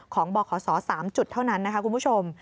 ของบข๓จุดเท่านั้นคุณผู้ชม